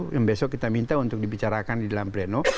yang besok kita minta untuk dibicarakan di dalam pleno